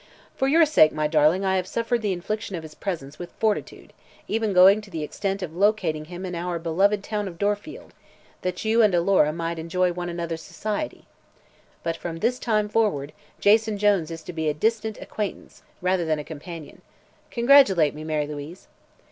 For your sake, my darling, I have suffered the infliction of his presence with fortitude, even going to the extent of locating him in our beloved town of Dorfield, that you and Alora might enjoy one another's society. But from this time forward Jason Jones is to be a distant acquaintance rather than a companion. Congratulate me, Mary Louise!"